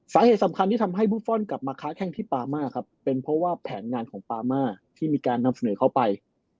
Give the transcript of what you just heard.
สาเหตุสำคัญที่ทำให้บุฟฟอลกลับมาค้าแข้งที่ปามาครับเป็นเพราะว่าแผนงานของปามาที่มีการนำเสนอเข้าไป